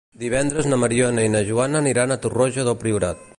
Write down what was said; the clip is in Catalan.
Divendres na Mariona i na Joana aniran a Torroja del Priorat.